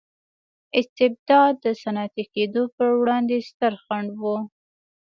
استبداد د صنعتي کېدو پروړاندې ستر خنډ و.